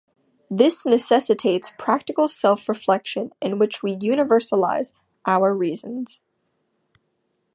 This necessitates practical self-reflection in which we universalize our reasons.